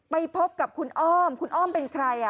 ไปพบกับคุณอ้อมคุณอ้อมเป็นใคร